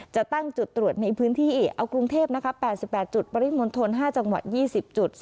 จะตั้งจุดตรวจในพื้นที่เอากรุงเทพ๘๘จุดปริมณฑล๕จังหวัด๒๐จุด